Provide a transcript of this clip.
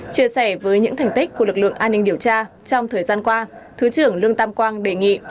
chia sẻ với những thành tích của lực lượng an ninh điều tra trong thời gian qua thứ trưởng lương tam quang đề nghị